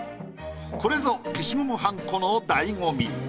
これぞ消しゴムはんこの醍醐味。